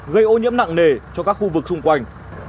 gây ô nhiễm nặng nề cho các khu vực xung quanh